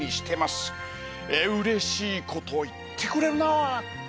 うれしいこと言ってくれるなあ。